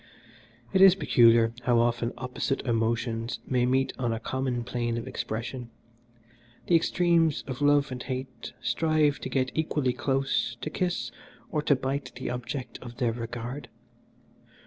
"It is peculiar how often opposite emotions may meet on a common plane of expression. The extremes of love and hate strive to get equally close to kiss or to bite the object of their regard.